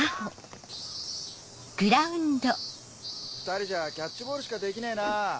２人じゃキャッチボールしかできねえな。